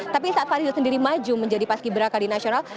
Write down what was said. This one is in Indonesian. tapi saat fadil sendiri maju menjadi paski beraka di nasional